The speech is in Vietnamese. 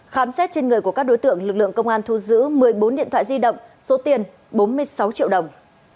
khám xét trên người của các đối tượng lực lượng công an thu giữ một mươi bốn điện thoại di động số tiền bốn mươi sáu triệu đồng